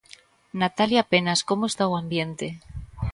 Natalia Penas, como está o ambiente?